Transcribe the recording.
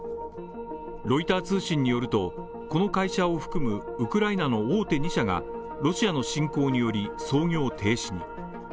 ロイター通信によると、この会社を含むウクライナの大手２社がロシアの侵攻により、操業停止に。